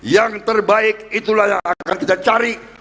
yang terbaik itulah yang akan kita cari